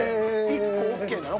１個ＯＫなの？